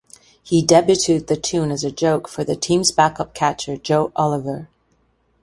He debuted the tune as a joke for the team's backup catcher, Joe Oliver.